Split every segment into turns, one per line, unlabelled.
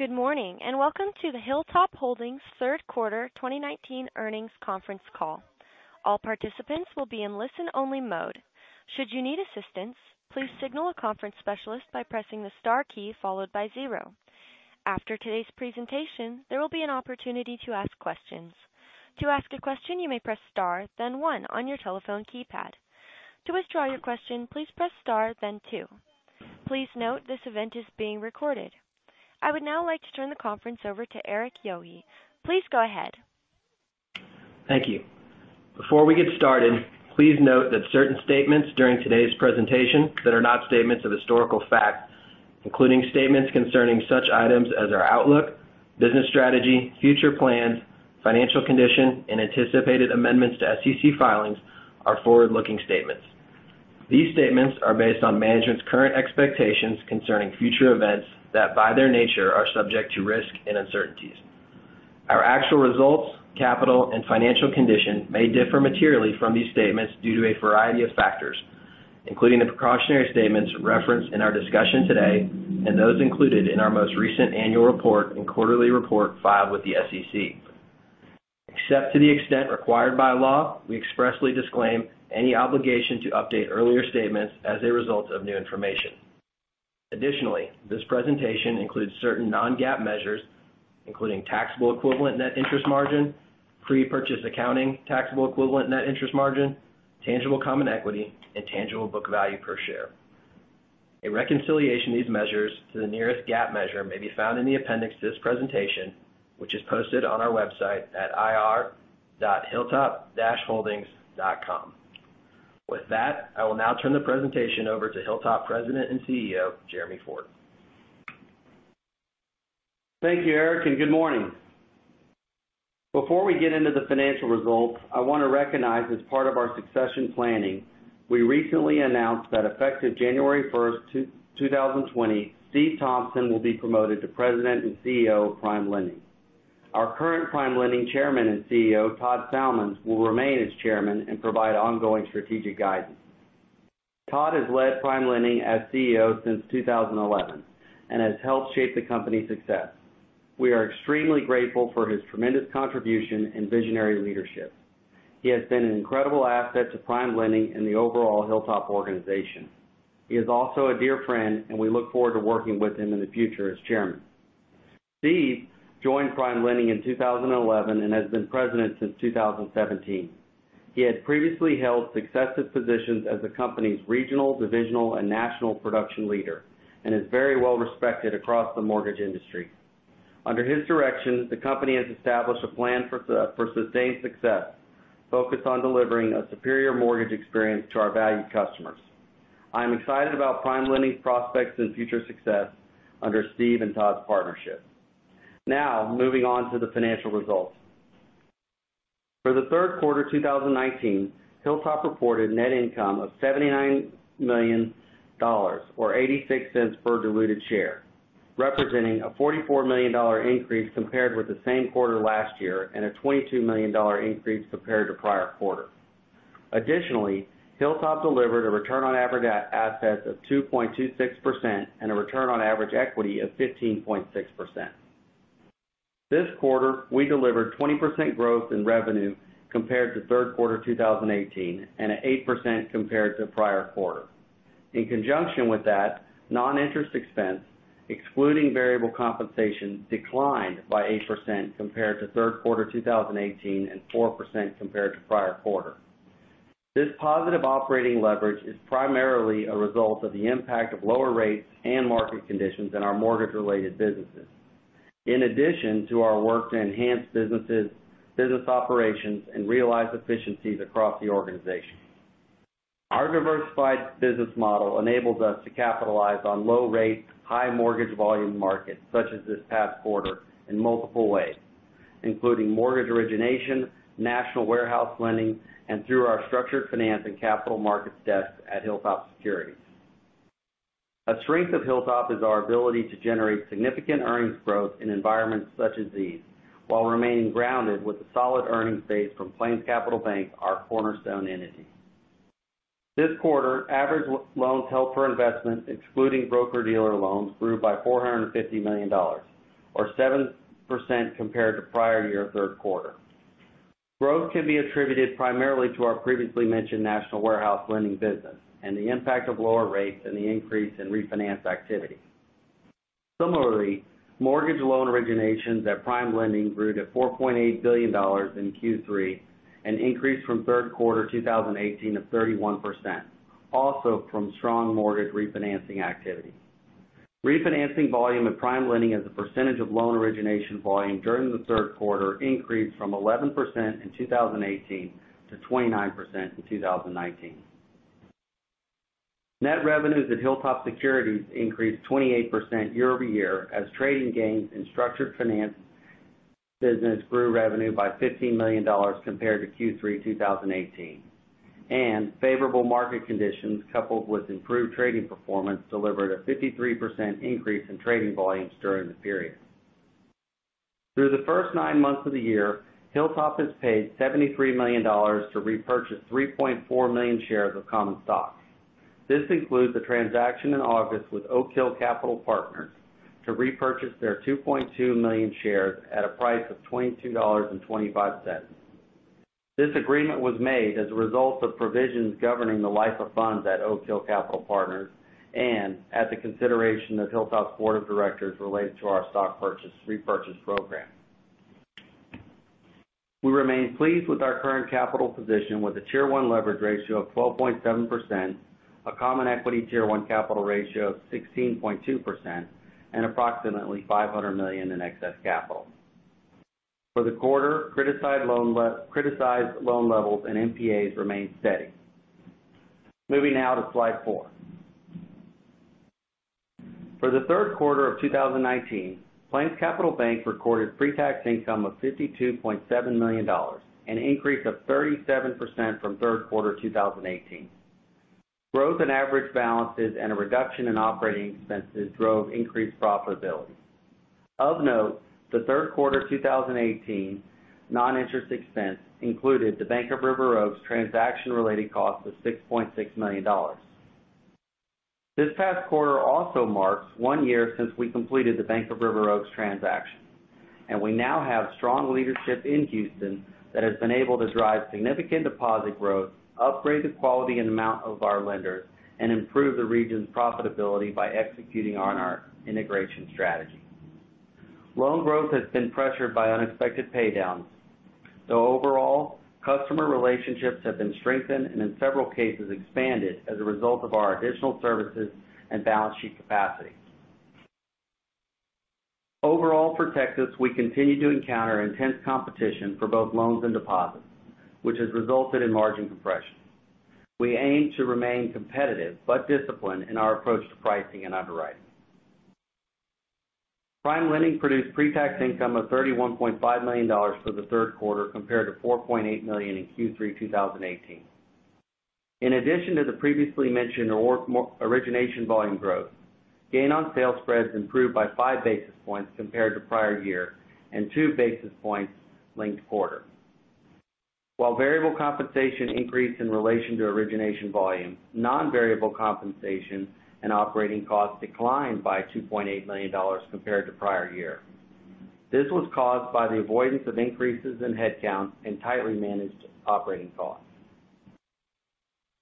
Good morning, and welcome to the Hilltop Holdings third quarter 2019 earnings conference call. All participants will be in listen only mode. Should you need assistance, please signal a conference specialist by pressing the star key followed by zero. After today's presentation, there will be an opportunity to ask questions. To ask a question, you may press star then one on your telephone keypad. To withdraw your question, please press star then two. Please note, this event is being recorded. I would now like to turn the conference over to Erik Yohe. Please go ahead.
Thank you. Before we get started, please note that certain statements during today's presentation that are not statements of historical fact, including statements concerning such items as our outlook, business strategy, future plans, financial condition, and anticipated amendments to SEC filings, are forward-looking statements. These statements are based on management's current expectations concerning future events that, by their nature, are subject to risk and uncertainties. Our actual results, capital, and financial condition may differ materially from these statements due to a variety of factors, including the precautionary statements referenced in our discussion today, and those included in our most recent annual report and quarterly report filed with the SEC. Except to the extent required by law, we expressly disclaim any obligation to update earlier statements as a result of new information. Additionally, this presentation includes certain non-GAAP measures, including taxable equivalent net interest margin, prepurchase accounting taxable equivalent net interest margin, tangible common equity, and tangible book value per share. A reconciliation of these measures to the nearest GAAP measure may be found in the appendix of this presentation, which is posted on our website at ir.hilltop-holdings.com. With that, I will now turn the presentation over to Hilltop President and CEO, Jeremy Ford.
Thank you, Erik, and good morning. Before we get into the financial results, I want to recognize, as part of our succession planning, we recently announced that effective January 1, 2020, Steve Thompson will be promoted to President and CEO of PrimeLending. Our current PrimeLending Chairman and CEO, Todd Salmans, will remain as chairman and provide ongoing strategic guidance. Todd has led PrimeLending as CEO since 2011, and has helped shape the company's success. We are extremely grateful for his tremendous contribution and visionary leadership. He has been an incredible asset to PrimeLending and the overall Hilltop organization. He is also a dear friend, and we look forward to working with him in the future as chairman. Steve joined PrimeLending in 2011 and has been president since 2017. He had previously held successive positions as the company's regional, divisional, and national production leader, and is very well respected across the mortgage industry. Under his direction, the company has established a plan for sustained success, focused on delivering a superior mortgage experience to our valued customers. I am excited about PrimeLending's prospects and future success under Steve and Todd's partnership. Moving on to the financial results. For the third quarter 2019, Hilltop reported net income of $79 million, or $0.86 per diluted share, representing a $44 million increase compared with the same quarter last year, and a $22 million increase compared to prior quarter. Additionally, Hilltop delivered a return on average assets of 2.26% and a return on average equity of 15.6%. This quarter, we delivered 20% growth in revenue compared to third quarter 2018, and 8% compared to prior quarter. In conjunction with that, non-interest expense, excluding variable compensation, declined by 8% compared to third quarter 2018, and 4% compared to prior quarter. This positive operating leverage is primarily a result of the impact of lower rates and market conditions in our mortgage-related businesses. In addition to our work to enhance businesses, business operations, and realize efficiencies across the organization. Our diversified business model enables us to capitalize on low rates, high mortgage volume markets, such as this past quarter, in multiple ways, including mortgage origination, national warehouse lending, and through our structured finance and capital markets desks at HilltopSecurities. A strength of Hilltop is our ability to generate significant earnings growth in environments such as these, while remaining grounded with a solid earnings base from PlainsCapital Bank, our cornerstone entity. This quarter, average loans held for investment, excluding broker-dealer loans, grew by $450 million, or 7% compared to prior year third quarter. Growth can be attributed primarily to our previously mentioned national warehouse lending business and the impact of lower rates and the increase in refinance activity. Similarly, mortgage loan originations at PrimeLending grew to $4.8 billion in Q3, an increase from third quarter 2018 of 31%, also from strong mortgage refinancing activity. Refinancing volume at PrimeLending as a percentage of loan origination volume during the third quarter increased from 11% in 2018 to 29% in 2019. Net revenues at HilltopSecurities increased 28% year-over-year as trading gains and structured finance business grew revenue by $15 million compared to Q3 2018. Favorable market conditions, coupled with improved trading performance, delivered a 53% increase in trading volumes during the period. Through the first nine months of the year, Hilltop has paid $73 million to repurchase 3.4 million shares of common stock. This includes the transaction in August with Oak Hill Capital to repurchase their 2.2 million shares at a price of $22.25. This agreement was made as a result of provisions governing the life of funds at Oak Hill Capital and at the consideration of Hilltop's board of directors related to our stock purchase repurchase program. We remain pleased with our current capital position with a Tier 1 leverage ratio of 12.7%, a Common Equity Tier 1 capital ratio of 16.2%, and approximately $500 million in excess capital. For the quarter, criticized loan levels and NPAs remained steady. Moving now to slide four. For the third quarter of 2019, PlainsCapital Bank recorded pre-tax income of $52.7 million, an increase of 37% from third quarter 2018. Growth in average balances and a reduction in operating expenses drove increased profitability. Of note, the third quarter 2018 non-interest expense included The Bank of River Oaks transaction-related cost of $6.6 million. This past quarter also marks one year since we completed The Bank of River Oaks transaction, and we now have strong leadership in Houston that has been able to drive significant deposit growth, upgrade the quality and amount of our lenders, and improve the region's profitability by executing on our integration strategy. Loan growth has been pressured by unexpected paydowns, though overall, customer relationships have been strengthened and, in several cases, expanded as a result of our additional services and balance sheet capacity. Overall, for Texas, we continue to encounter intense competition for both loans and deposits, which has resulted in margin compression. We aim to remain competitive but disciplined in our approach to pricing and underwriting. PrimeLending produced pre-tax income of $31.5 million for the third quarter compared to $4.8 million in Q3 2018. In addition to the previously mentioned origination volume growth, gain on sale spreads improved by five basis points compared to prior year and two basis points linked quarter. While variable compensation increased in relation to origination volume, non-variable compensation and operating costs declined by $2.8 million compared to prior year. This was caused by the avoidance of increases in headcount and tightly managed operating costs.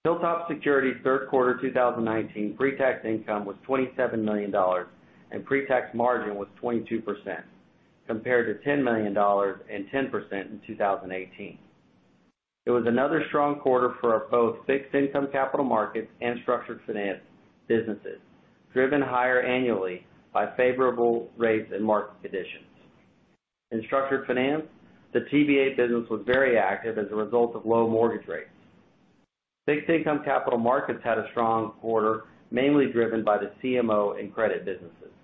HilltopSecurities' third quarter 2019 pre-tax income was $27 million, and pre-tax margin was 22%, compared to $10 million and 10% in 2018. It was another strong quarter for both fixed income capital markets and structured finance businesses, driven higher annually by favorable rates and market conditions. In structured finance, the TBA business was very active as a result of low mortgage rates. Fixed income capital markets had a strong quarter, mainly driven by the CMO and credit businesses.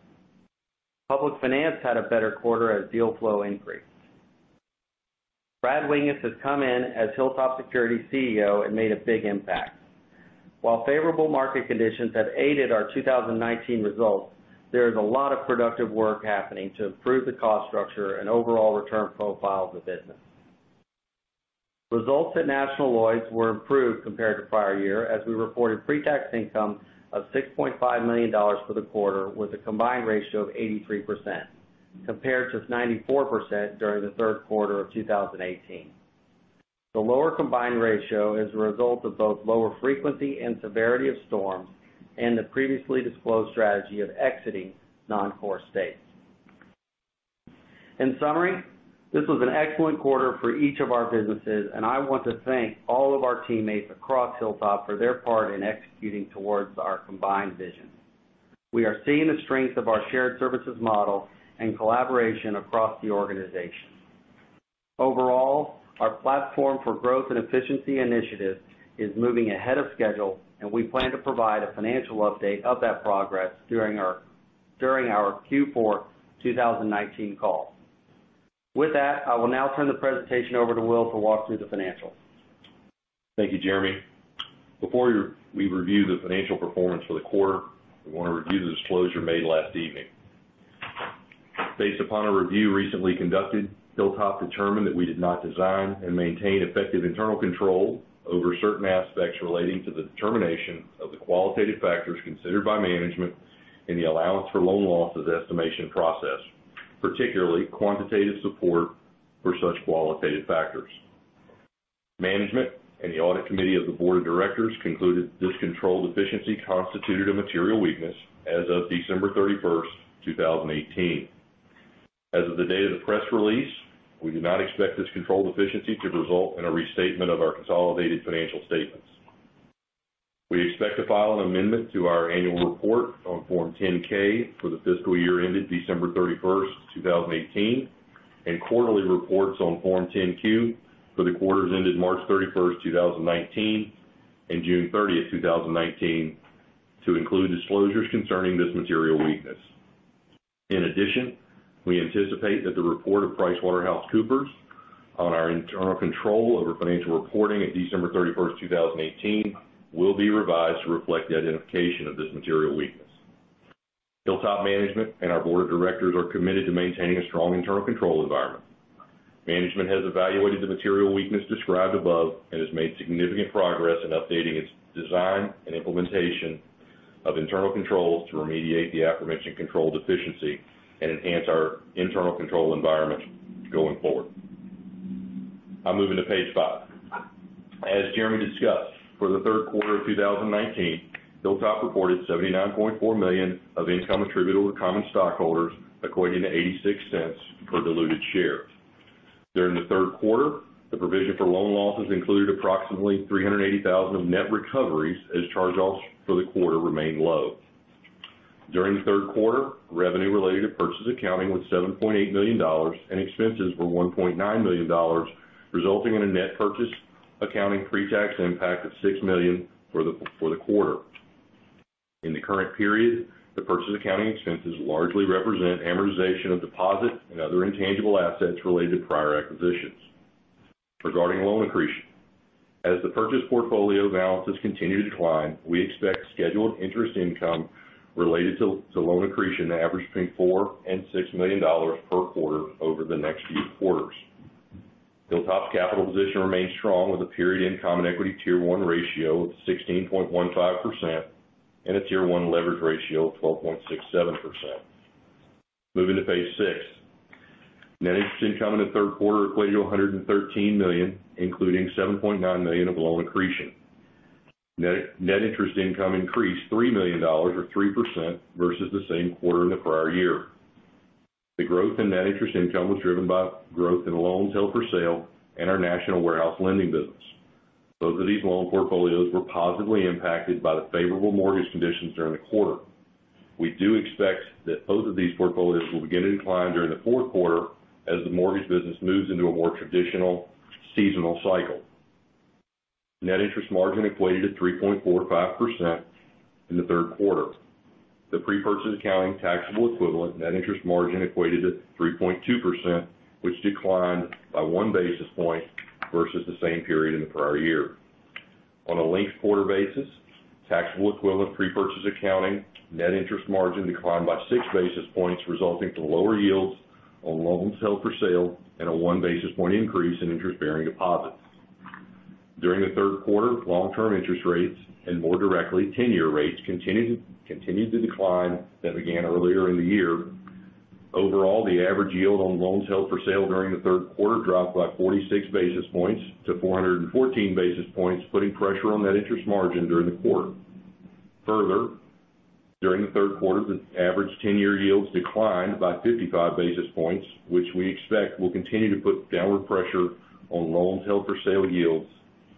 Public finance had a better quarter as deal flow increased. Brad Winges has come in as HilltopSecurities' CEO and made a big impact. While favorable market conditions have aided our 2019 results, there is a lot of productive work happening to improve the cost structure and overall return profile of the business. Results at National Lloyds were improved compared to prior year as we reported pre-tax income of $6.5 million for the quarter with a combined ratio of 83%, compared to 94% during the third quarter of 2018. The lower combined ratio is a result of both lower frequency and severity of storms and the previously disclosed strategy of exiting non-core states. In summary, this was an excellent quarter for each of our businesses, and I want to thank all of our teammates across Hilltop for their part in executing towards our combined vision. We are seeing the strength of our shared services model and collaboration across the organization. Overall, our platform for growth and efficiency initiative is moving ahead of schedule, and we plan to provide a financial update of that progress during our Q4 2019 call. With that, I will now turn the presentation over to Will to walk through the financials.
Thank you, Jeremy. Before we review the financial performance for the quarter, we want to review the disclosure made last evening. Based upon a review recently conducted, Hilltop determined that we did not design and maintain effective internal control over certain aspects relating to the determination of the qualitative factors considered by management in the allowance for loan losses estimation process, particularly quantitative support for such qualitative factors. Management and the audit committee of the board of directors concluded this control deficiency constituted a material weakness as of December 31st, 2018. As of the date of the press release, we do not expect this control deficiency to result in a restatement of our consolidated financial statements. We expect to file an amendment to our annual report on Form 10-K for the fiscal year ended December 31st, 2018, and quarterly reports on Form 10-Q for the quarters ended March 31st, 2019, and June 30th, 2019, to include disclosures concerning this material weakness. In addition, we anticipate that the report of PricewaterhouseCoopers on our internal control over financial reporting at December 31, 2018, will be revised to reflect the identification of this material weakness. Hilltop management and our board of directors are committed to maintaining a strong internal control environment. Management has evaluated the material weakness described above and has made significant progress in updating its design and implementation of internal controls to remediate the aforementioned control deficiency and enhance our internal control environment going forward. I'm moving to page five. As Jeremy discussed, for the third quarter of 2019, Hilltop reported $79.4 million of income attributable to common stockholders, equating to $0.86 per diluted share. During the third quarter, the provision for loan losses included approximately $380,000 of net recoveries as charge-offs for the quarter remained low. During the third quarter, revenue related to purchase accounting was $7.8 million, and expenses were $1.9 million, resulting in a net purchase accounting pretax impact of $6 million for the quarter. In the current period, the purchase accounting expenses largely represent amortization of deposit and other intangible assets related to prior acquisitions. Regarding loan accretion. As the purchase portfolio balances continue to decline, we expect scheduled interest income related to loan accretion to average between $4 million and $6 million per quarter over the next few quarters. Hilltop's capital position remains strong with a period-end Common Equity Tier 1 ratio of 16.15%, and a Tier 1 leverage ratio of 12.67%. Moving to page six. Net interest income in the third quarter equated to $113 million, including $7.9 million of loan accretion. Net interest income increased $3 million or 3% versus the same quarter in the prior year. The growth in net interest income was driven by growth in loans held for sale and our national warehouse lending business. Both of these loan portfolios were positively impacted by the favorable mortgage conditions during the quarter. We do expect that both of these portfolios will begin to decline during the fourth quarter as the mortgage business moves into a more traditional seasonal cycle. Net interest margin equated to 3.45% in the third quarter. The pre-purchase accounting taxable equivalent net interest margin equated to 3.2%, which declined by one basis point versus the same period in the prior year. On a linked quarter basis, taxable equivalent pre-purchase accounting net interest margin declined by six basis points, resulting from lower yields on loans held for sale and a one basis point increase in interest-bearing deposits. During the third quarter, long-term interest rates and more directly, tenure rates continued to decline that began earlier in the year. Overall, the average yield on loans held for sale during the third quarter dropped by 46 basis points to 414 basis points, putting pressure on net interest margin during the quarter. During the third quarter, the average tenure yields declined by 55 basis points, which we expect will continue to put downward pressure on loans held for sale yields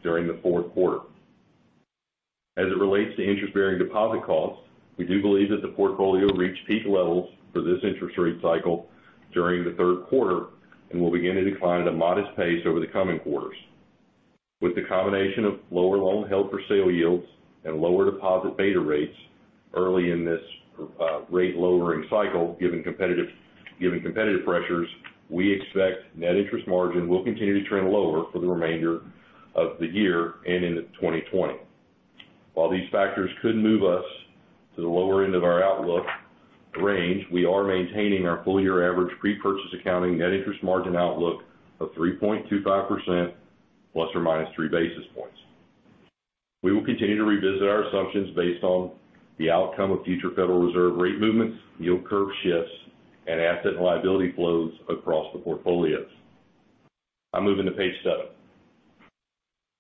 during the fourth quarter. As it relates to interest-bearing deposit costs, we do believe that the portfolio reached peak levels for this interest rate cycle during the third quarter and will begin to decline at a modest pace over the coming quarters. With the combination of lower loan held for sale yields and lower deposit beta rates early in this rate-lowering cycle, given competitive pressures, we expect net interest margin will continue to trend lower for the remainder of the year and into 2020. While these factors could move us to the lower end of our outlook range, we are maintaining our full-year average pre-purchase accounting net interest margin outlook of 3.25% ±3 basis points. We will continue to revisit our assumptions based on the outcome of future Federal Reserve rate movements, yield curve shifts, and asset and liability flows across the portfolios. I'm moving to page seven.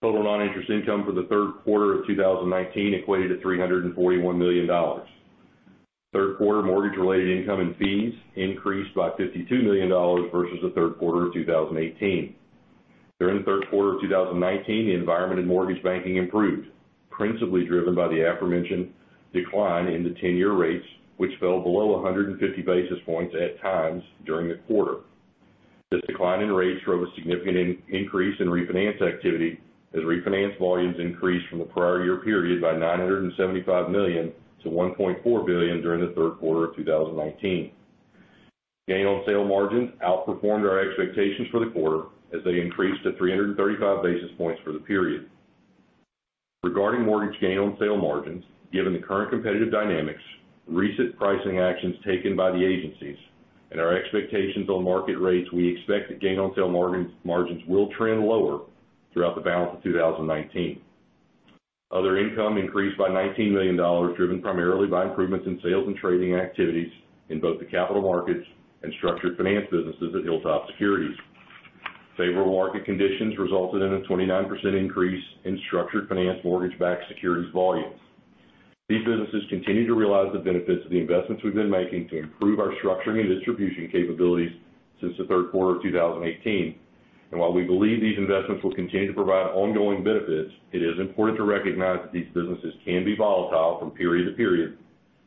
Total non-interest income for the third quarter of 2019 equated to $341 million. Third-quarter mortgage-related income and fees increased by $52 million versus the third quarter of 2018. During the third quarter of 2019, the environment in mortgage banking improved, principally driven by the aforementioned decline in the 10-year rates, which fell below 150 basis points at times during the quarter. This decline in rates drove a significant increase in refinance activity as refinance volumes increased from the prior year period by $975 million to $1.4 billion during the third quarter of 2019. Gain on sale margins outperformed our expectations for the quarter as they increased to 335 basis points for the period. Regarding mortgage gain on sale margins, given the current competitive dynamics, recent pricing actions taken by the agencies, and our expectations on market rates, we expect that gain on sale margins will trend lower throughout the balance of 2019. Other income increased by $19 million, driven primarily by improvements in sales and trading activities in both the capital markets and structured finance businesses at HilltopSecurities. Favorable market conditions resulted in a 29% increase in structured finance mortgage-backed securities volumes. These businesses continue to realize the benefits of the investments we've been making to improve our structuring and distribution capabilities since the third quarter of 2018. While we believe these investments will continue to provide ongoing benefits, it is important to recognize that these businesses can be volatile from period to period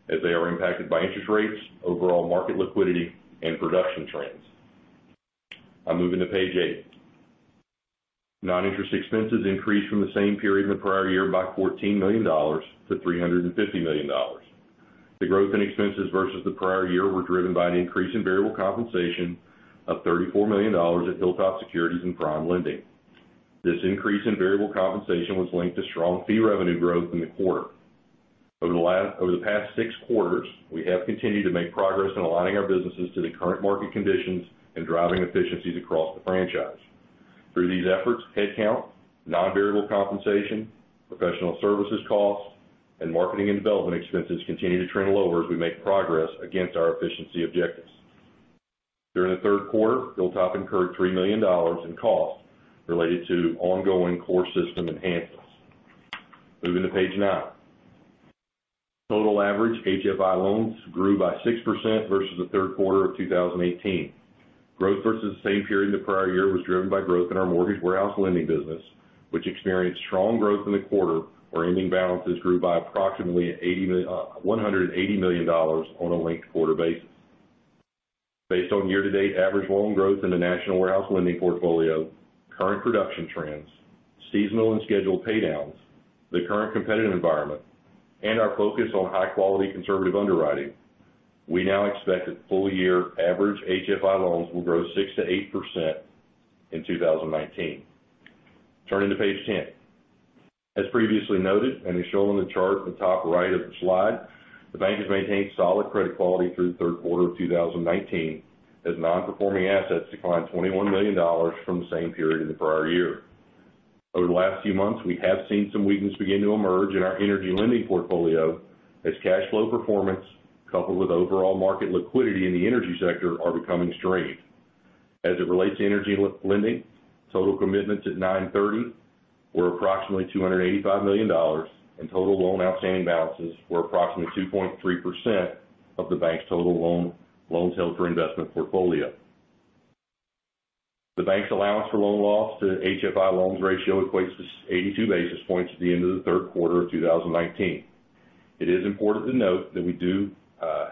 as they are impacted by interest rates, overall market liquidity, and production trends. I'm moving to page eight. Non-interest expenses increased from the same period in the prior year by $14 million to $350 million. The growth in expenses versus the prior year were driven by an increase in variable compensation of $34 million at HilltopSecurities and PrimeLending. This increase in variable compensation was linked to strong fee revenue growth in the quarter. Over the past six quarters, we have continued to make progress in aligning our businesses to the current market conditions and driving efficiencies across the franchise. Through these efforts, headcount, non-variable compensation, professional services costs, and marketing and development expenses continue to trend lower as we make progress against our efficiency objectives. During the third quarter, Hilltop incurred $3 million in costs related to ongoing core system enhancements. Moving to page nine. Total average HFI loans grew by 6% versus the third quarter of 2018. Growth versus the same period in the prior year was driven by growth in our mortgage warehouse lending business, which experienced strong growth in the quarter, where ending balances grew by approximately $180 million on a linked quarter basis. Based on year-to-date average loan growth in the national warehouse lending portfolio, current production trends, seasonal and scheduled paydowns, the current competitive environment, and our focus on high-quality conservative underwriting, we now expect that full-year average HFI loans will grow 6%-8% in 2019. Turning to page 10. As previously noted, and as shown on the chart at the top right of the slide, the bank has maintained solid credit quality through the third quarter of 2019, as non-performing assets declined $21 million from the same period in the prior year. Over the last few months, we have seen some weakness begin to emerge in our energy lending portfolio as cash flow performance, coupled with overall market liquidity in the energy sector, are becoming strained. As it relates to energy lending, total commitments at 9/30 were approximately $285 million, and total loan outstanding balances were approximately 2.3% of the bank's total loan sale for investment portfolio. The bank's allowance for loan loss to HFI loans ratio equates to 82 basis points at the end of the third quarter of 2019. It is important to note that we do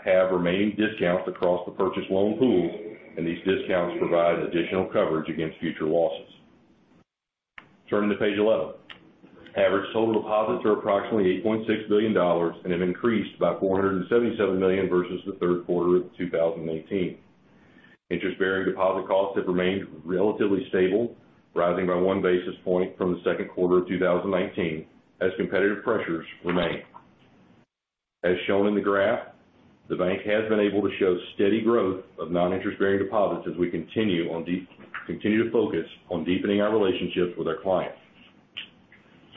have remaining discounts across the purchased loan pools, and these discounts provide additional coverage against future losses. Turning to page 11. Average total deposits are approximately $8.6 billion and have increased by $477 million versus the third quarter of 2018. Interest-bearing deposit costs have remained relatively stable, rising by one basis point from the second quarter of 2019 as competitive pressures remain. As shown in the graph, the bank has been able to show steady growth of non-interest-bearing deposits as we continue to focus on deepening our relationships with our clients.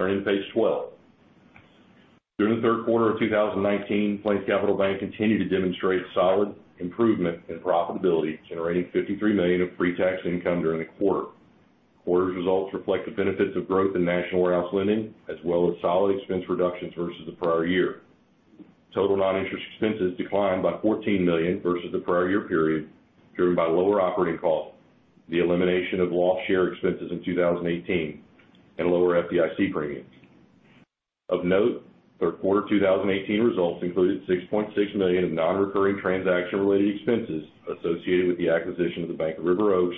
Turning to page 12. During the third quarter of 2019, PlainsCapital Bank continued to demonstrate solid improvement in profitability, generating $53 million of pre-tax income during the quarter. The quarter's results reflect the benefits of growth in national warehouse lending, as well as solid expense reductions versus the prior year. Total non-interest expenses declined by $14 million versus the prior year period, driven by lower operating costs, the elimination of loss share expenses in 2018, and lower FDIC premiums. Of note, third quarter 2018 results included $6.6 million of non-recurring transaction-related expenses associated with the acquisition of The Bank of River Oaks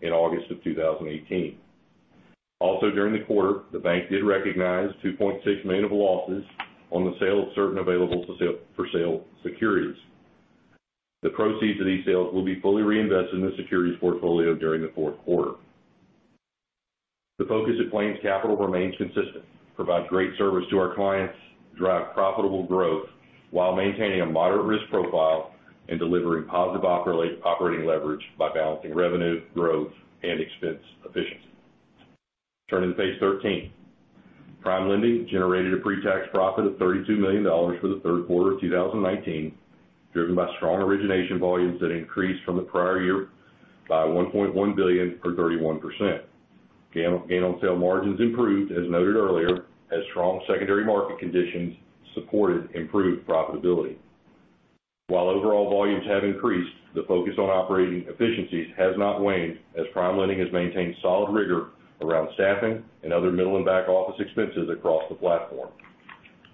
in August of 2018. Also during the quarter, the bank did recognize $2.6 million of losses on the sale of certain available for sale securities. The proceeds of these sales will be fully reinvested in the securities portfolio during the fourth quarter. The focus at PlainsCapital remains consistent. Provide great service to our clients, drive profitable growth while maintaining a moderate risk profile, and delivering positive operating leverage by balancing revenue growth and expense efficiency. Turning to page 13. PrimeLending generated a pre-tax profit of $32 million for the third quarter of 2019, driven by strong origination volumes that increased from the prior year by $1.1 billion or 31%. Gain-on-sale margins improved, as noted earlier, as strong secondary market conditions supported improved profitability. While overall volumes have increased, the focus on operating efficiencies has not waned as PrimeLending has maintained solid rigor around staffing and other middle and back office expenses across the platform.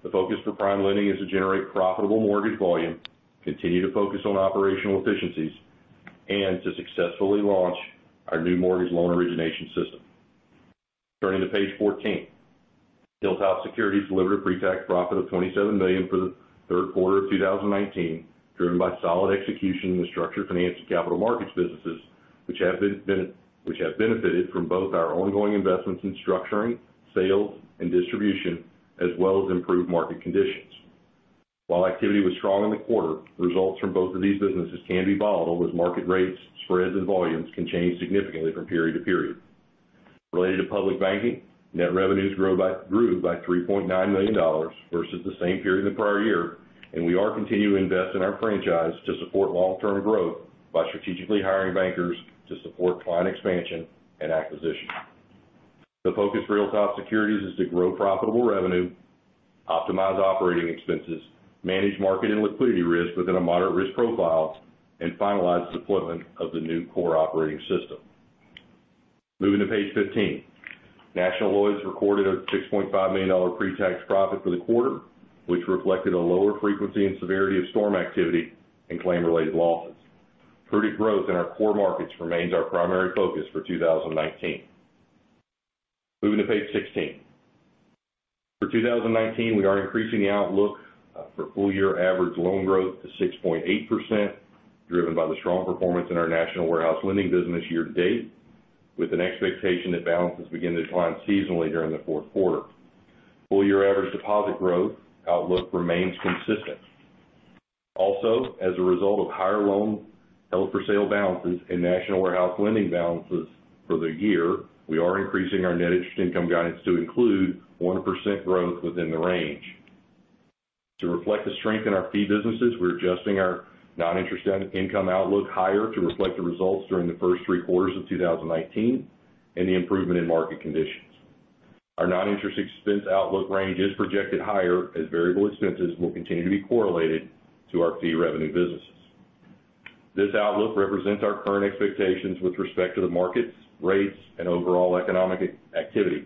The focus for PrimeLending is to generate profitable mortgage volume, continue to focus on operational efficiencies, and to successfully launch our new mortgage loan origination system. Turning to page 14. HilltopSecurities delivered a pre-tax profit of $27 million for the third quarter of 2019, driven by solid execution in the structured finance and capital markets businesses, which have benefited from both our ongoing investments in structuring, sales, and distribution, as well as improved market conditions. While activity was strong in the quarter, the results from both of these businesses can be volatile as market rates, spreads, and volumes can change significantly from period to period. Related to public banking, net revenues grew by $3.9 million versus the same period in the prior year, and we are continuing to invest in our franchise to support long-term growth by strategically hiring bankers to support client expansion and acquisition. The focus for HilltopSecurities is to grow profitable revenue, optimize operating expenses, manage market and liquidity risk within a moderate risk profile, and finalize deployment of the new core operating system. Moving to page 15. National Lloyds recorded a $6.5 million pre-tax profit for the quarter, which reflected a lower frequency and severity of storm activity and claim-related losses. Prudent growth in our core markets remains our primary focus for 2019. Moving to page 16. For 2019, we are increasing the outlook for full-year average loan growth to 6.8%, driven by the strong performance in our national warehouse lending business year to date, with an expectation that balances begin to decline seasonally during the fourth quarter. Full-year average deposit growth outlook remains consistent. As a result of higher loan held for sale balances and national warehouse lending balances for the year, we are increasing our net interest income guidance to include 1% growth within the range. To reflect the strength in our fee businesses, we're adjusting our non-interest income outlook higher to reflect the results during the first three quarters of 2019 and the improvement in market conditions. Our non-interest expense outlook range is projected higher, as variable expenses will continue to be correlated to our fee revenue businesses. This outlook represents our current expectations with respect to the markets, rates, and overall economic activity.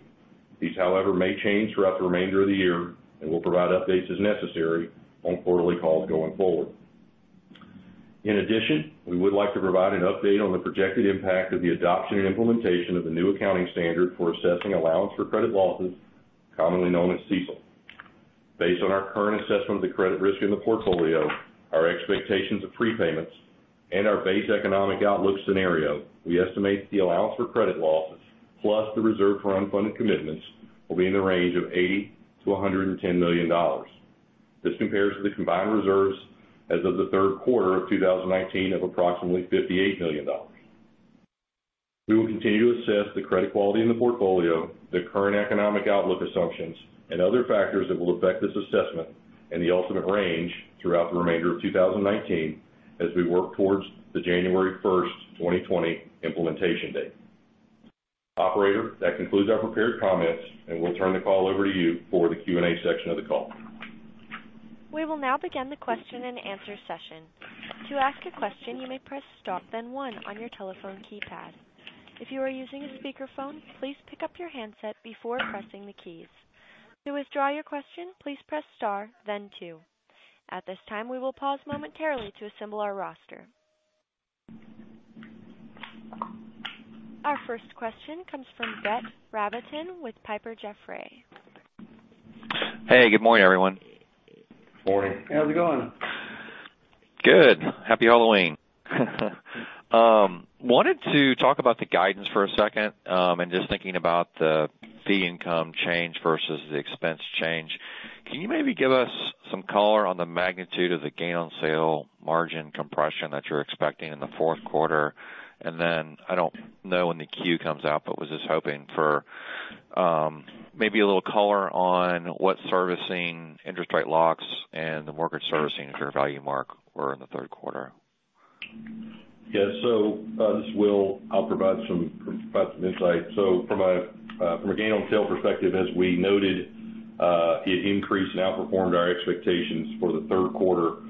These, however, may change throughout the remainder of the year, and we'll provide updates as necessary on quarterly calls going forward. In addition, we would like to provide an update on the projected impact of the adoption and implementation of the new accounting standard for assessing allowance for credit losses, commonly known as CECL. Based on our current assessment of the credit risk in the portfolio, our expectations of prepayments, and our base economic outlook scenario, we estimate the allowance for credit losses, plus the reserve for unfunded commitments, will be in the range of $80 million-$110 million. This compares to the combined reserves as of the third quarter of 2019 of approximately $58 million. We will continue to assess the credit quality in the portfolio, the current economic outlook assumptions, and other factors that will affect this assessment and the ultimate range throughout the remainder of 2019 as we work towards the January 1st, 2020 implementation date. Operator, that concludes our prepared comments, and we'll turn the call over to you for the Q&A section of the call.
We will now begin the question and answer session. To ask a question, you may press star, then one on your telephone keypad. If you are using a speakerphone, please pick up your handset before pressing the keys. To withdraw your question, please press star, then two. At this time, we will pause momentarily to assemble our roster. Our first question comes from Brett Rabatin with Piper Jaffray.
Hey, good morning, everyone.
Morning.
How's it going?
Good. Happy Halloween. Wanted to talk about the guidance for a second, and just thinking about the fee income change versus the expense change. Can you maybe give us some color on the magnitude of the gain on sale margin compression that you're expecting in the fourth quarter? I don't know when the Q comes out, but was just hoping for maybe a little color on what servicing interest rate locks and the mortgage servicing fair value mark were in the third quarter.
Yes, this is Will. I'll provide some insight. From a gain on sale perspective, as we noted, it increased and outperformed our expectations for the third quarter,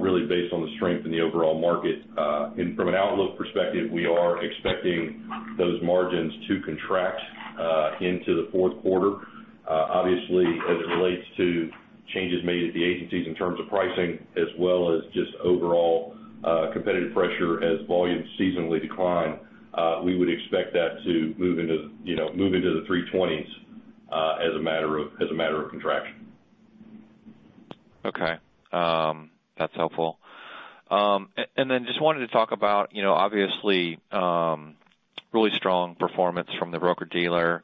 really based on the strength in the overall market. From an outlook perspective, we are expecting those margins to contract into the fourth quarter. Obviously, as it relates to changes made at the agencies in terms of pricing as well as just overall competitive pressure as volumes seasonally decline, we would expect that to move into the 320s as a matter of contraction.
Okay. That's helpful. Then just wanted to talk about, obviously, really strong performance from the broker-dealer.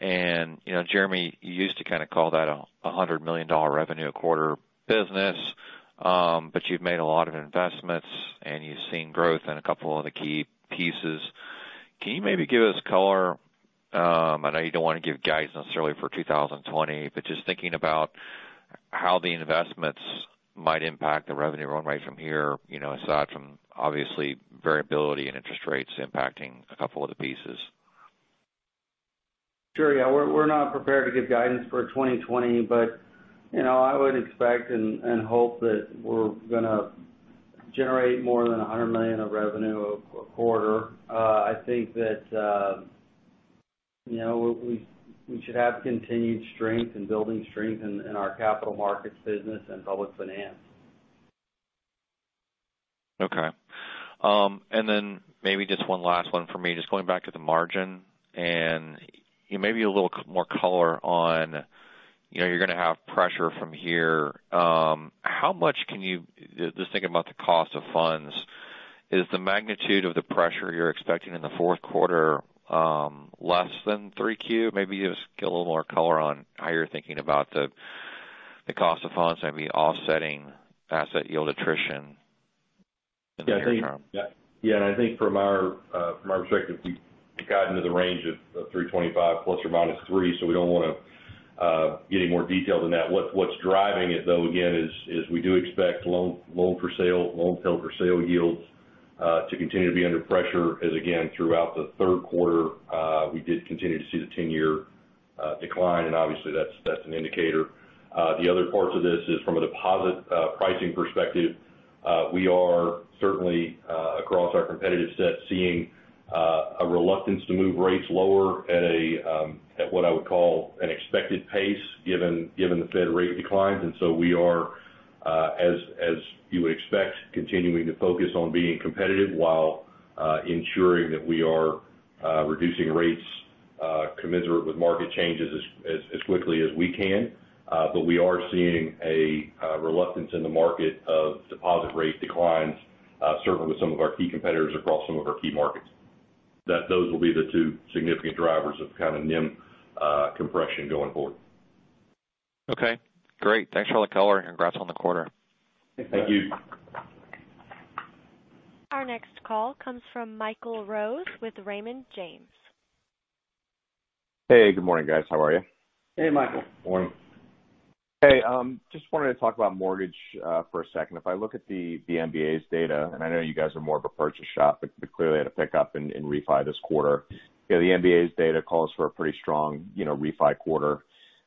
Jeremy, you used to kind of call that a $100 million revenue a quarter business, but you've made a lot of investments, and you've seen growth in a couple of the key pieces. Can you maybe give us color? I know you don't want to give guidance necessarily for 2020, but just thinking about how the investments might impact the revenue run rate from here, aside from obviously variability in interest rates impacting a couple of the pieces.
Sure. Yeah. We're not prepared to give guidance for 2020, but I would expect and hope that we're going to generate more than $100 million of revenue a quarter. I think that we should have continued strength and building strength in our capital markets business and public finance.
Okay. Maybe just one last one for me, just going back to the margin and maybe a little more color on, you're going to have pressure from here. Just thinking about the cost of funds, is the magnitude of the pressure you're expecting in the fourth quarter less than 3Q? Maybe just get a little more color on how you're thinking about the cost of funds maybe offsetting asset yield attrition in the near term.
Yeah, I think from our perspective, we've gotten to the range of 325 ±3. We don't want to get any more detailed than that. What's driving it, though, again, is we do expect loan held for sale yields to continue to be under pressure as, again, throughout the third quarter, we did continue to see the 10-year decline. Obviously that's an indicator. The other parts of this is from a deposit pricing perspective. We are certainly, across our competitive set, seeing a reluctance to move rates lower at what I would call an expected pace given the Fed rate declines. We are, as you would expect, continuing to focus on being competitive while ensuring that we are reducing rates commensurate with market changes as quickly as we can. We are seeing a reluctance in the market of deposit rate declines, certainly with some of our key competitors across some of our key markets. Those will be the two significant drivers of kind of NIM compression going forward.
Okay, great. Thanks for all the color, and congrats on the quarter.
Thank you.
Our next call comes from Michael Rose with Raymond James.
Hey, good morning, guys. How are you?
Hey, Michael.
Morning.
Hey, just wanted to talk about mortgage for a second. If I look at the MBA's data, and I know you guys are more of a purchase shop, but clearly had a pickup in refi this quarter. The MBA's data calls for a pretty strong refi quarter.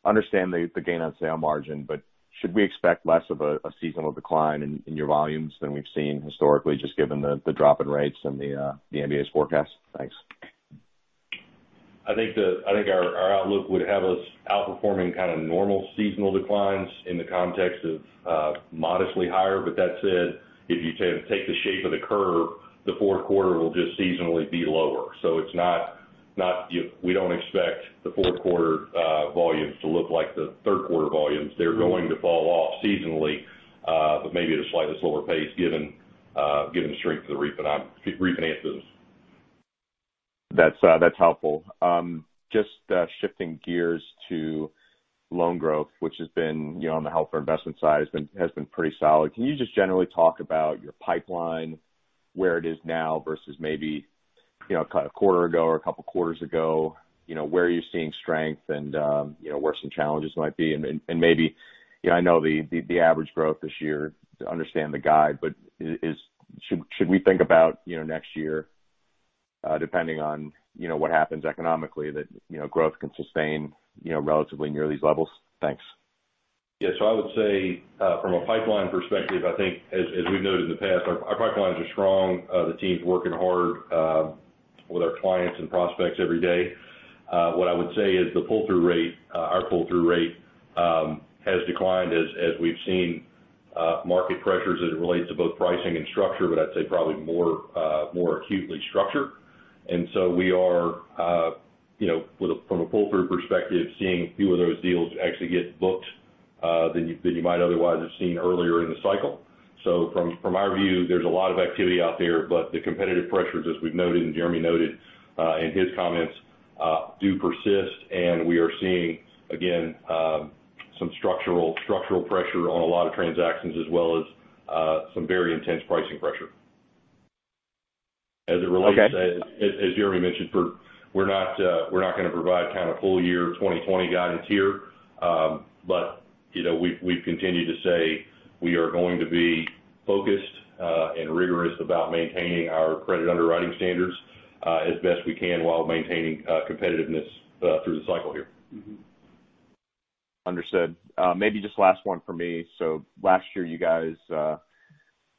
Understand the gain on sale margin, but should we expect less of a seasonal decline in your volumes than we've seen historically, just given the drop in rates and the MBA's forecast? Thanks.
I think our outlook would have us outperforming kind of normal seasonal declines in the context of modestly higher. That said, if you take the shape of the curve, the fourth quarter will just seasonally be lower. We don't expect the fourth quarter volumes to look like the third quarter volumes. They're going to fall off seasonally, but maybe at a slightly slower pace given the strength of the refinances.
That's helpful. Just shifting gears to loan growth, which has been on the health or investment side, has been pretty solid. Can you just generally talk about your pipeline, where it is now versus maybe a quarter ago or a couple quarters ago? Where are you seeing strength and where some challenges might be? I know the average growth this year, to understand the guide, but should we think about next year, depending on what happens economically, that growth can sustain relatively near these levels? Thanks.
I would say, from a pipeline perspective, I think as we've noted in the past, our pipelines are strong. The team's working hard with our clients and prospects every day. What I would say is our pull-through rate has declined as we've seen market pressures as it relates to both pricing and structure, but I'd say probably more acutely structure. We are from a pull-through perspective, seeing fewer of those deals actually get booked than you might otherwise have seen earlier in the cycle. From our view, there's a lot of activity out there, but the competitive pressures, as we've noted and Jeremy noted in his comments, do persist, and we are seeing, again, some structural pressure on a lot of transactions, as well as some very intense pricing pressure.
Okay
as Jeremy mentioned, we're not going to provide kind of full year 2020 guidance here. We've continued to say we are going to be focused and rigorous about maintaining our credit underwriting standards as best we can while maintaining competitiveness through the cycle here.
Understood. Maybe just last one from me. Last year you guys, or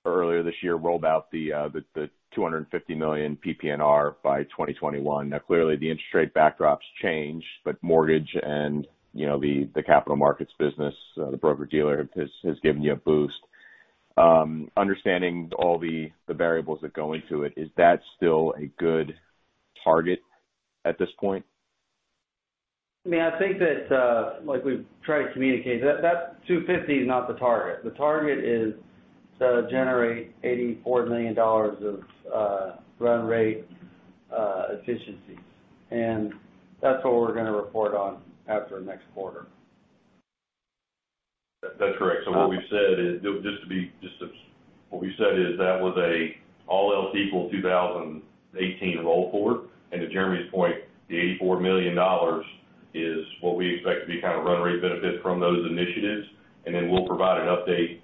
earlier this year, rolled out the $250 million PPNR by 2021. Now clearly the interest rate backdrop's changed, but mortgage and the capital markets business, the broker-dealer has given you a boost. Understanding all the variables that go into it, is that still a good target at this point?
I think that, like we've tried to communicate, that 250 is not the target. The target is to generate $84 million of run rate efficiencies. That's what we're going to report on after next quarter.
That's correct. What we've said is that was a all else equal 2018 roll forward. To Jeremy's point, the $84 million is what we expect to be kind of run rate benefit from those initiatives. Then we'll provide an update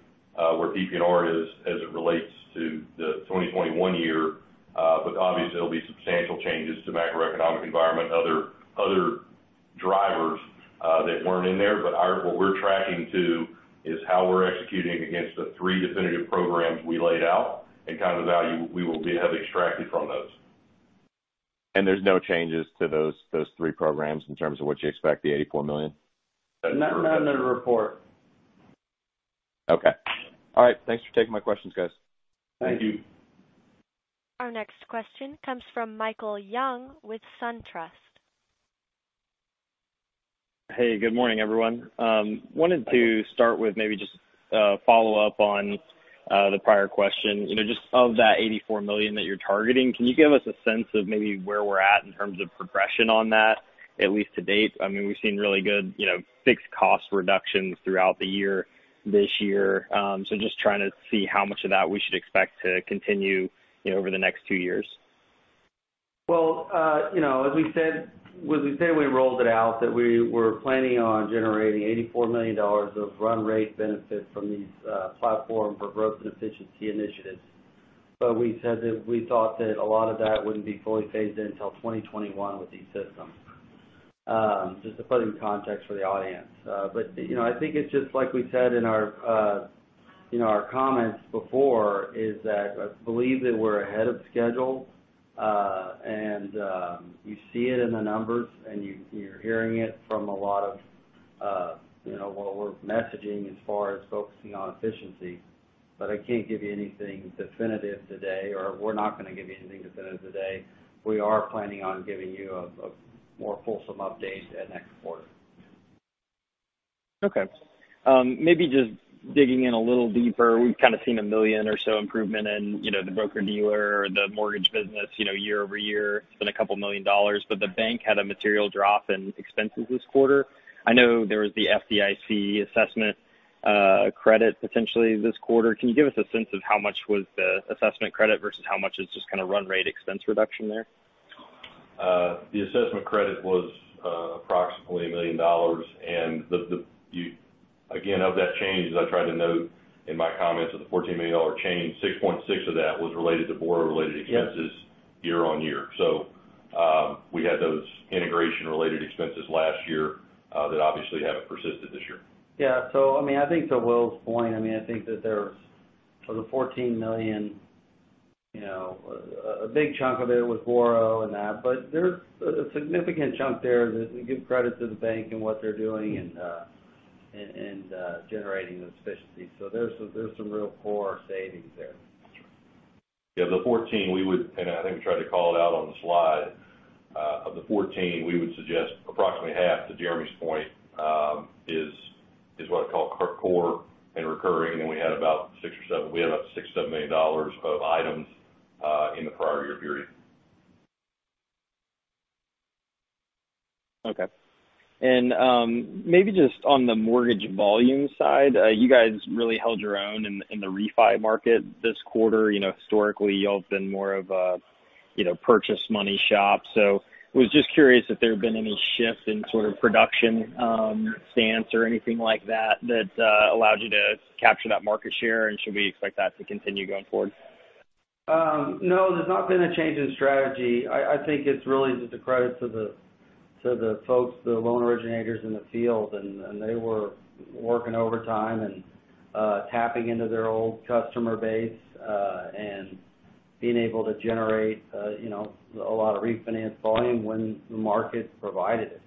where PPNR is as it relates to the 2021 year. Obviously, there'll be substantial changes to macroeconomic environment, other drivers that weren't in there. What we're tracking to is how we're executing against the three definitive programs we laid out and kind of the value we will have extracted from those.
There's no changes to those three programs in terms of what you expect the $84 million?
That's correct.
None in the report.
Okay. All right. Thanks for taking my questions, guys.
Thank you.
Our next question comes from Michael Young with SunTrust.
Hey, good morning, everyone. Wanted to start with maybe just a follow-up on the prior question. Of that $84 million that you're targeting, can you give us a sense of maybe where we're at in terms of progression on that, at least to date? We've seen really good fixed cost reductions throughout the year this year. Just trying to see how much of that we should expect to continue over the next two years.
Well, as we said, when we rolled it out, that we were planning on generating $84 million of run rate benefit from these platform for growth and efficiency initiatives. We said that we thought that a lot of that wouldn't be fully phased in until 2021 with these systems. Just to put it in context for the audience. I think it's just like we said in our comments before, is that I believe that we're ahead of schedule. You see it in the numbers, and you're hearing it from what we're messaging as far as focusing on efficiency. I can't give you anything definitive today, or we're not going to give you anything definitive today. We are planning on giving you a more fulsome update next quarter.
Okay. Maybe just digging in a little deeper, we've kind of seen a $1 million or so improvement in the broker-dealer or the mortgage business, year-over-year, spent $a couple million. The bank had a material drop in expenses this quarter. I know there was the FDIC assessment credit potentially this quarter. Can you give us a sense of how much was the assessment credit versus how much is just kind of run rate expense reduction there?
The assessment credit was approximately $1 million. Again, of that change, as I tried to note in my comments, of the $14 million change, $6.6 million of that was related to Boro-related expenses year-over-year. We had those integration-related expenses last year, that obviously haven't persisted this year.
Yeah. I think to Will's point, I think that of the $14 million, a big chunk of it was Boro and that. There's a significant chunk there that we give credit to the bank and what they're doing in generating those efficiencies. There's some real core savings there.
Yeah, the 14. I think we tried to call it out on the slide. Of the 14, we would suggest approximately half, to Jeremy's point, is what I call core and recurring. We had about $6 or $7 million of items in the prior year period.
Okay. Maybe just on the mortgage volume side, you guys really held your own in the refi market this quarter. Historically, you all have been more of a purchase money shop. I was just curious if there had been any shift in sort of production stance or anything like that allowed you to capture that market share, and should we expect that to continue going forward?
No, there's not been a change in strategy. I think it's really just a credit to the folks, the loan originators in the field, and they were working overtime and tapping into their old customer base, and being able to generate a lot of refinance volume when the market provided it.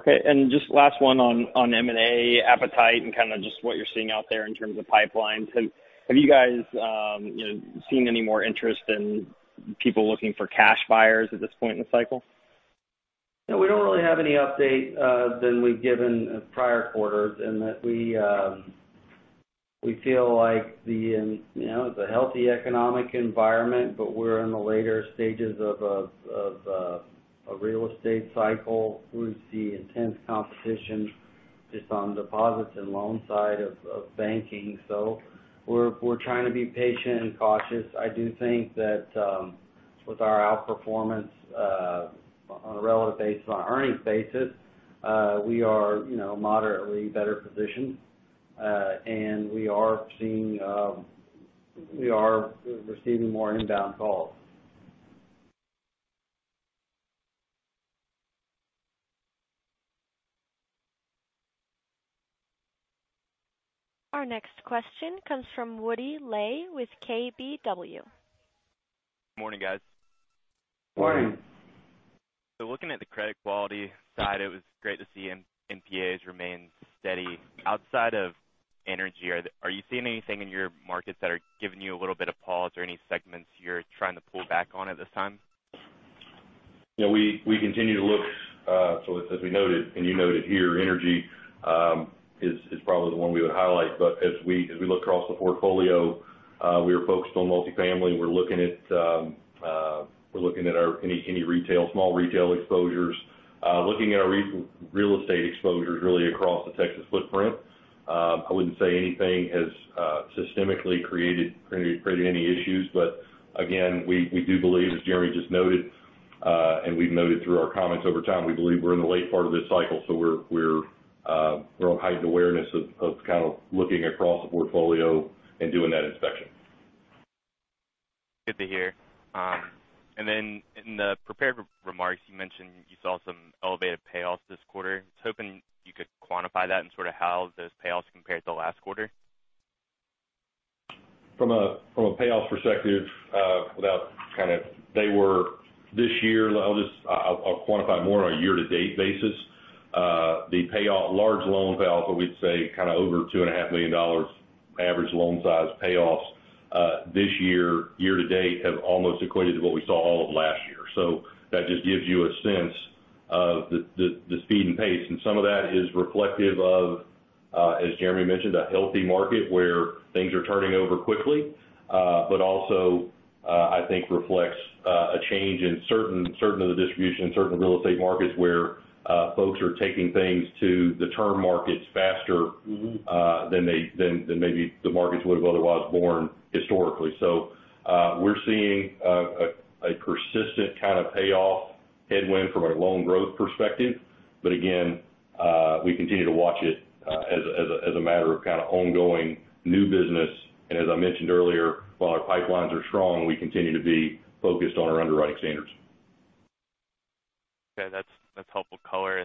Okay, just last one on M&A appetite and kind of just what you're seeing out there in terms of pipelines. Have you guys seen any more interest in people looking for cash buyers at this point in the cycle?
No, we don't really have any update than we've given prior quarters in that we feel like it's a healthy economic environment. We're in the later stages of a real estate cycle. We see intense competition just on deposits and loan side of banking. We're trying to be patient and cautious. I do think that with our outperformance on a relative basis, on an earnings basis, we are moderately better positioned. We are receiving more inbound calls.
Our next question comes from Woody Lay with KBW.
Morning, guys.
Morning.
Morning.
Looking at the credit quality side, it was great to see NPAs remain steady. Outside of energy, are you seeing anything in your markets that are giving you a little bit of pause or any segments you're trying to pull back on at this time?
We continue to look, as we noted and you noted here, energy is probably the one we would highlight. As we look across the portfolio, we are focused on multifamily. We're looking at any small retail exposures. Looking at our real estate exposures really across the Texas footprint. I wouldn't say anything has systemically created any issues. Again, we do believe, as Jeremy just noted, and we've noted through our comments over time, we believe we're in the late part of this cycle. We're on heightened awareness of kind of looking across the portfolio and doing that inspection.
Good to hear. Then in the prepared remarks, you mentioned you saw some elevated payoffs this quarter. I was hoping you could quantify that and sort of how those payoffs compared to last quarter.
From a payoffs perspective, this year, I'll quantify more on a year to date basis. The large loan payoffs, what we'd say kind of over $2.5 million average loan size payoffs, this year to date, have almost equated to what we saw all of last year. That just gives you a sense of the speed and pace. Some of that is reflective of, as Jeremy mentioned, a healthy market where things are turning over quickly. Also, I think reflects a change in certain of the distribution, certain real estate markets where folks are taking things to the term markets faster than maybe the markets would've otherwise borne historically. We're seeing a persistent kind of payoff headwind from a loan growth perspective. Again, we continue to watch it as a matter of kind of ongoing new business. As I mentioned earlier, while our pipelines are strong, we continue to be focused on our underwriting standards.
Okay. That's helpful color.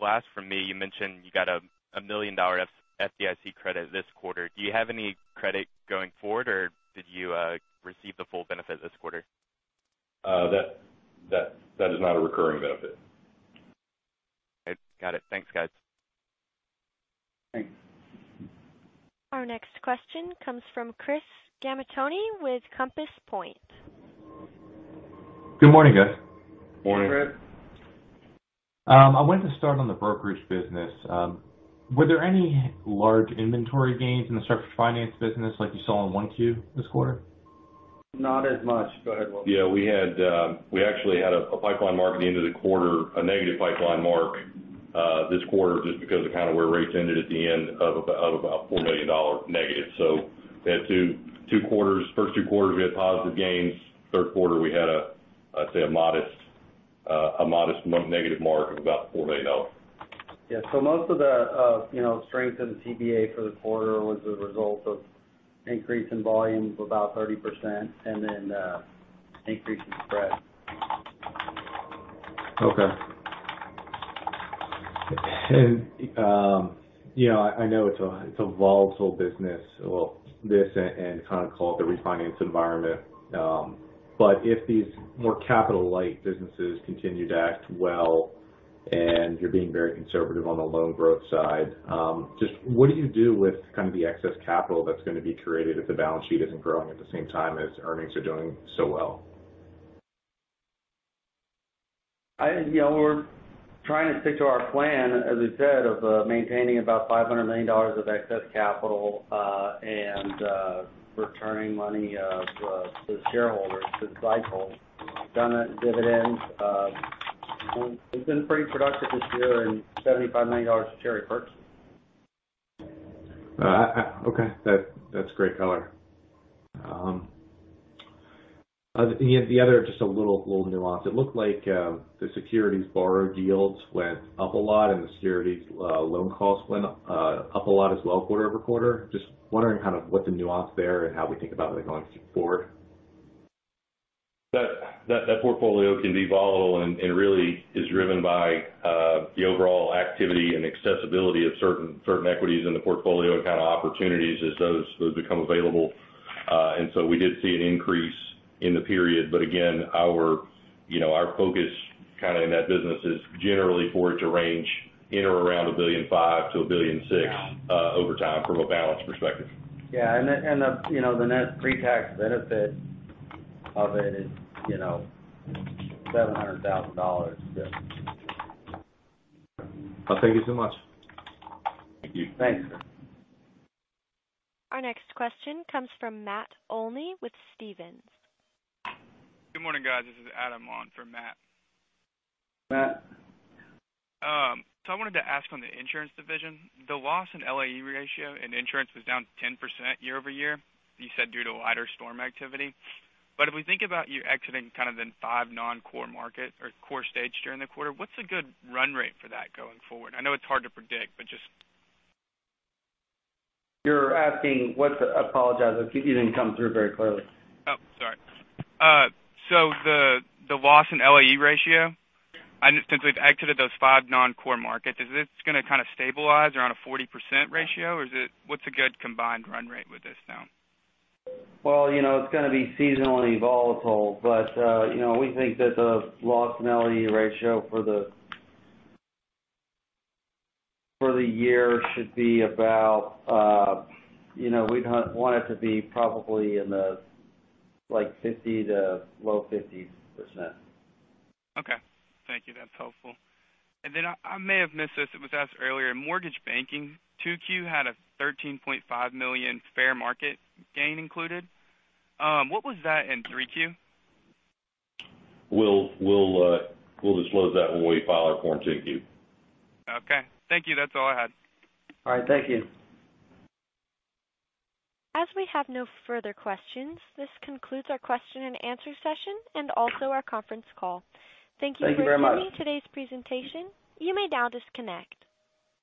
Last from me, you mentioned you got a million-dollar FDIC credit this quarter. Do you have any credit going forward, or did you receive the full benefit this quarter?
That is not a recurring benefit.
Got it. Thanks, guys.
Thanks.
Our next question comes from Chris Gamaitoni with Compass Point.
Good morning, guys.
Morning.
Good.
I wanted to start on the brokerage business. Were there any large inventory gains in the structured finance business like you saw in one Q this quarter?
Not as much. Go ahead, Will.
Yeah, we actually had a pipeline mark at the end of the quarter, a negative pipeline mark this quarter, just because of where rates ended at the end of about $4 million negative. We had first two quarters we had positive gains. Third quarter, we had a, I'd say, a modest negative mark of about $4 million.
Yeah. Most of the strength in TBA for the quarter was a result of increase in volume of about 30% and then increase in spread.
Okay. I know it's a volatile business, well, this and the refinance environment. If these more capital-light businesses continue to act well, and you're being very conservative on the loan growth side, just what do you do with the excess capital that's going to be created if the balance sheet isn't growing at the same time as earnings are doing so well?
We're trying to stick to our plan, as I said, of maintaining about $500 million of excess capital, and returning money to shareholders, to cycles, done it in dividends. We've been pretty productive this year in $75 million of share repurchase.
Okay. That's great color. The other, just a little nuance. It looked like the securities borrowed yields went up a lot, and the securities loan costs went up a lot as well quarter-over-quarter. I am just wondering what the nuance there and how we think about that going forward.
That portfolio can be volatile and really is driven by the overall activity and accessibility of certain equities in the portfolio and kind of opportunities as those become available. We did see an increase in the period. Again, our focus in that business is generally for it to range in or around $1.5 billion-$1.6 billion over time from a balance perspective.
Yeah. The net pre-tax benefit of it is $700,000.
Thank you so much.
Thank you.
Thanks.
Our next question comes from Matt Olney with Stephens.
Good morning, guys. This is Adam on for Matt.
Matt.
I wanted to ask on the insurance division, the loss and LAE ratio in insurance was down 10% year-over-year, you said due to lighter storm activity. But if we think about you exiting kind of the 5 non-core market or core states during the quarter, what's a good run rate for that going forward? I know it's hard to predict.
I apologize. You didn't come through very clearly.
Sorry. The loss in LAE ratio, since we've exited those five non-core markets, is this going to kind of stabilize around a 40% ratio? What's a good combined run rate with this now?
Well, it's going to be seasonally volatile. We think that the loss in LAE ratio for the year should be about, we'd want it to be probably in the 50% to low 50%.
Okay. Thank you. That's helpful. I may have missed this, it was asked earlier, mortgage banking, 2Q had a $13.5 million fair market gain included. What was that in 3Q?
We'll disclose that when we file our form 10-Q.
Okay. Thank you. That's all I had.
All right. Thank you.
As we have no further questions, this concludes our question and answer session and also our conference call.
Thank you very much.
Thank you for attending today's presentation. You may now disconnect.